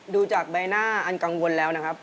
ดูจากใบหน้าอันกังวลแล้วนะครับ